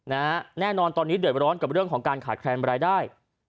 แน่นอนตอนนี้เดือดร้อนกับเรื่องของการขาดแคลนรายได้